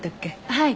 はい。